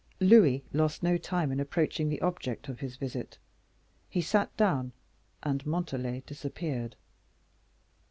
Louis lost no time in approaching the object of his visit; he sat down, and Montalais disappeared.